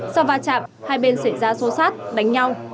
sau va chạm hai bên xảy ra xô xát đánh nhau